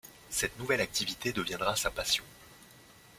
Cette nouvelle activité deviendra sa passion.